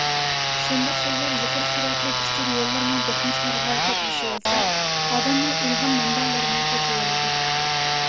شۇنداق سۆزلەر يۇقىرى سۈرئەتلىك ئۇچۇر يوللىرىنىڭ دۇقمۇشلىرىغا كەپلىشىۋالسا، ئادەمنىڭ ئىلھام مەنبەلىرىنى توسۇۋالىدۇ.